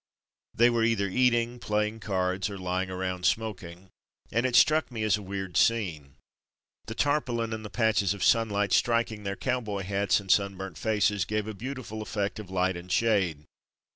They were either eating, playing cards, or lying around smok ing, and it struck me as a weird scene. The tarpaulin and the patches of sunlight striking their cowboy hats and sunburnt faces gave a beautiful effect of light and shade.